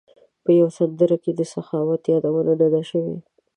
په یوه سندره کې د سخاوت یادونه نه ده شوې.